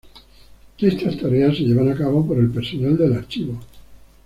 Estas tareas se llevan a cabo por el personal del Archivo.